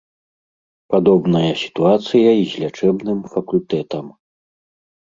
Падобная сітуацыя і з лячэбным факультэтам.